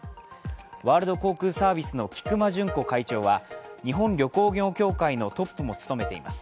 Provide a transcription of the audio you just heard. ワールド航空サービスの菊間潤吾会長会長は、日本旅行業協会のトップも務めています。